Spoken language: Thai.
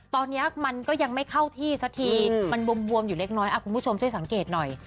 ตอนนี้มันก็ยังไม่เข้าที่สักทีมันบวมอยู่เล็กน้อยคุณผู้ชมช่วยสังเกตหน่อย